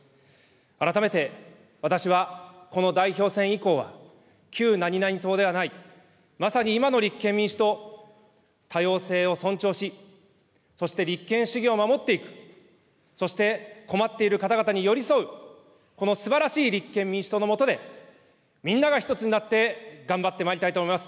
改めて、私はこの代表選以降は、旧何々党ではない、まさに今の立憲民主党、多様性を尊重し、そして立憲主義を守っていく、そして困っている方々に寄り添う、このすばらしい立憲民主党の下で、みんなが一つになって頑張ってまいりたいと思います。